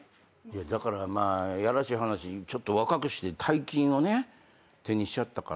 だからまあやらしい話若くして大金をね手にしちゃったから。